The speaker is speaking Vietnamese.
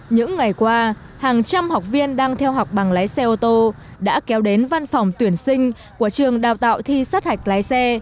những ngày qua hàng trăm học viên đang theo học bằng lái xe ô tô đã kéo đến văn phòng tuyển sinh của trường đào tạo thi sát hạch lái xe